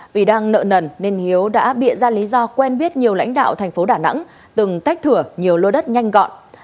vì đang nợ nần nên hiếu đã bị ra lý do quen biết nhiều lãnh đạo tp đà nẵng từng tách thửa nhiều lô đất nhanh gọn